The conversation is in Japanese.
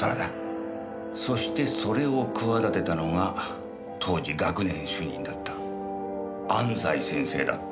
そしてそれを企てたのが当時学年主任だった安西先生だった。